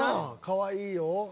かわいいよ。